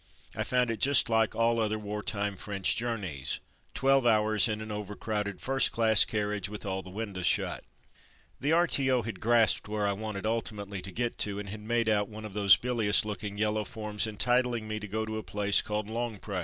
I found it just like all other war time French journeys. Twelve hours in an overcrowded first class carriage with all the windows shut. The R.T.O. had grasped where I wanted ultimately to get to, and had made out one of those bilious looking yellow forms entitling me to go to a place called Longpre.